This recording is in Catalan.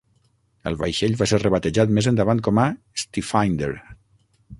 El vaixell va ser rebatejat més endavant com a "Stifinder".